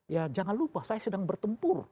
ya jangan lupa saya sedang bertempur